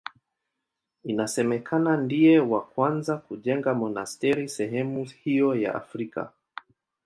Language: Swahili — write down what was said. Inasemekana ndiye wa kwanza kujenga monasteri sehemu hiyo ya Afrika.